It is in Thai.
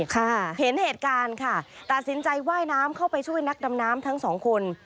ค่ะเห็นเหตุการณ์ค่ะตัดสินใจว่ายน้ำเข้าไปช่วยนักดำน้ำทั้งสองคน